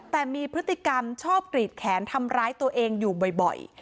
แต่มีพฤติกรรมชอบกรีดแขนทำร้ายตัวเองอยู่บ่อย